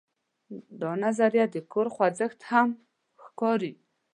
دا نظریه د کور جوړښت کې هم ښکاري.